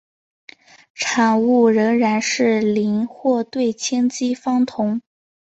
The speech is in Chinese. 产物仍然是邻或对羟基芳酮。